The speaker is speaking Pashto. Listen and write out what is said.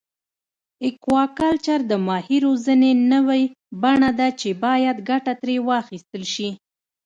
اکواکلچر د ماهي روزنې نوی بڼه ده چې باید ګټه ترې واخیستل شي.